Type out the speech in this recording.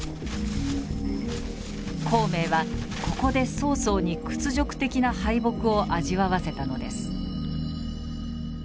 孔明はここで曹操に屈辱的な敗北を味わわせたのです。